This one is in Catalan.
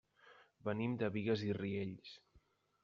Venim de Bigues i Riells.